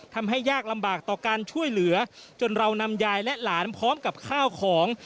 ยากลำบากต่อการช่วยเหลือจนเรานำยายและหลานพร้อมกับข้าวของ